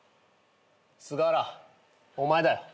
菅原お前だよ。